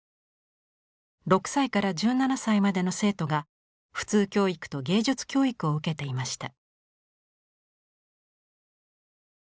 ６歳から１７歳までの生徒が普通教育と芸術教育を受けていました。